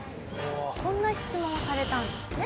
こんな質問をされたんですね。